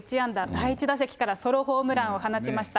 第１打席からソロホームランを放ちました。